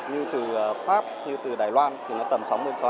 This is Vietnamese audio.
như từ pháp như từ đài loan thì nó tầm sáu mươi sáu